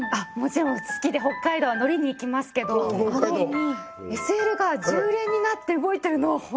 もちろん好きで北海道乗りに行きますけどＳＬが重連になって動いてるのは。